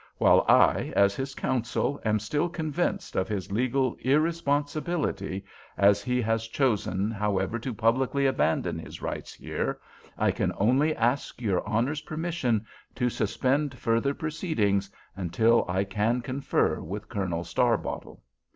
While I, as his counsel, am still convinced of his legal irresponsibility, as he has chosen, however, to publicly abandon his rights here, I can only ask your Honor's permission to suspend further proceedings until I can confer with Colonel Starbottle."